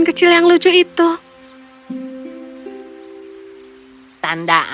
bila kita mengartikan untuk nyelamatkan seluruh hayat